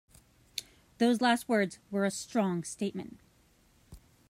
Those last words were a strong statement.